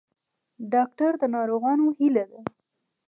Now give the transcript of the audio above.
ډاکټر د ناروغانو هیله ده